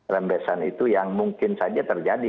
rembesan itu yang mungkin saja terjadi